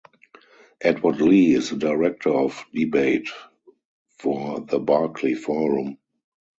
Edward Lee is the Director of Debate for the Barkley Forum.